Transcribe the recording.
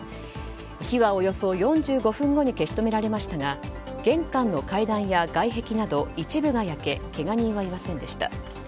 火はおよそ４５分後に消し止められましたが玄関の階段や外壁など一部が焼けけが人はいませんでした。